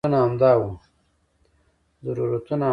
ضرورتونه همدا وو.